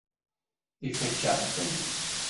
Ifakk-aɣ-ten.